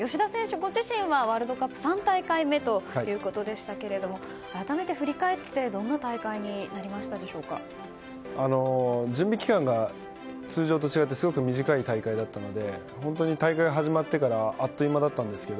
ご自身はワールドカップは３大会目ということでしたけども改めて振り返って準備期間が通常と違ってすごく短い大会だったので大会が始まってからあっという間だったんですけど。